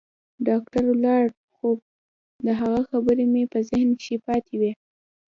ډاکتر ولاړ خو د هغه خبرې مې په ذهن کښې پاتې وې.